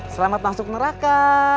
selamat masuk neraka